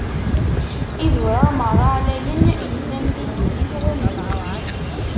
Idurar meṛṛa ɛlayen yellan di ddunit, ɣummen.